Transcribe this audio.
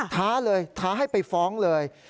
ท้าเลยท้าให้ไปฟ้องเลย